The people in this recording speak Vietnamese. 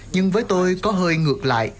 nhưng với tôi có hơi ngược lại